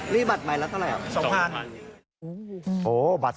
รีบบัตรใหม่ละเท่าไหร่เหรอ๒๐๐๐บาท๒๐๐๐บาท